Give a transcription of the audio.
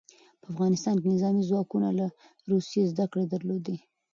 په افغانستان کې نظامي ځواکونه له روسیې زدکړې درلودې.